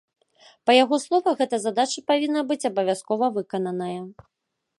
Па яго словах, гэта задача павінна быць абавязкова выкананая.